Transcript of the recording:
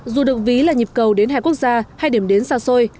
dù được ví là nhịp cầu đến hai quốc gia hay điểm đến xa xôi